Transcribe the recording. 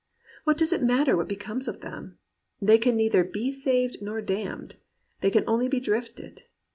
What does it matter what becomes of them ? They can neither be saved nor damned. They can only be drifted.